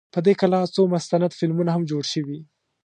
په دې کلا څو مستند فلمونه هم جوړ شوي.